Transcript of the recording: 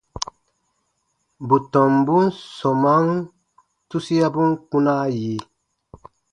Bù tɔmbun sɔmaan tusiabun kpunaa yi.